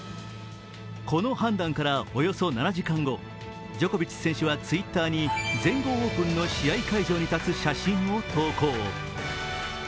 この判断からおよそ７時間後、ジョコビッチ選手はＴｗｉｔｔｅｒに全豪オープンの試合会場に立つ写真を投稿。